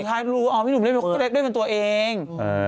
พี่หนูเล่นลาคเล่นเป็นตัวเอง